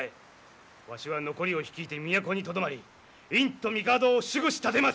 わしは残りを率いて都にとどまり院と帝を守護し奉る！